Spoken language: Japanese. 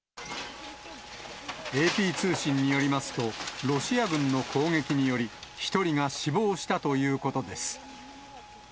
ＡＰ通信によりますと、ロシア軍の攻撃により、１人が死亡したということです。